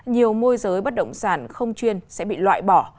nhiều môi giới bất động sản không chuyên sẽ bị loại bỏ